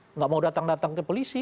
tidak mau datang datang ke polisi